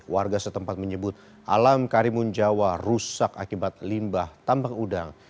warga setempat menyebut alam karimun jawa rusak akibat limbah tambang udang